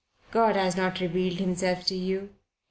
God has not revealed Himself to you.